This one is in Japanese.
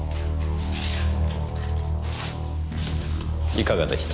いかがでした？